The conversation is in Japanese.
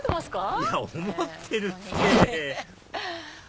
いや思ってるって！